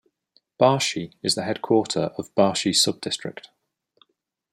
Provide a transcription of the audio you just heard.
Barshi is the headquarter of Barshi subdistrict.